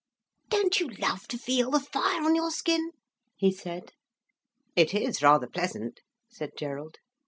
"Don't you love to feel the fire on your skin?" he said. "It is rather pleasant," said Gerald.